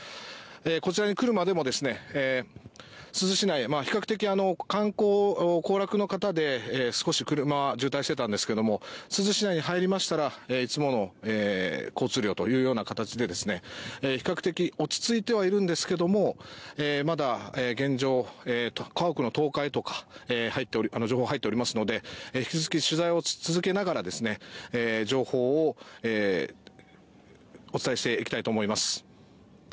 こちらに来るまでも珠洲市内、比較的観光、行楽の方で少し車は渋滞してたんですけども珠洲市内に入りましたらいつもの交通量という形で比較的落ち着いてはいるんですがまだ現状、家屋の倒壊とか情報が入っておりますので引き続き取材を続けながら情報をお伝えしていきたいと思います。